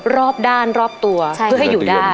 รอบด้านรอบตัวเพื่อให้อยู่ได้